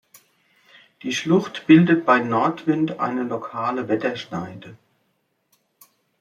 Die Schlucht bildet bei Nordwind eine lokale Wetterscheide.